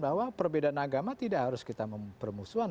bahwa perbedaan agama tidak harus kita permusuhan